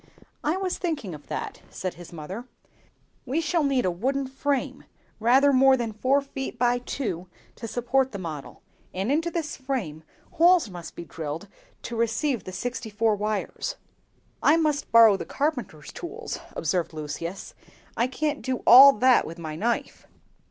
"I was thinking of that," said his mother; "we shall need a wooden frame, rather more than four feet by two, to support the model; and into this frame holes must be drilled to receive the sixty four wires." "I must borrow the carpenter's tools," observed Lucius; "I can't do all that with my knife.